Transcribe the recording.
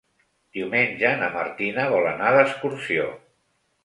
Diumenge na Martina vol anar d'excursió.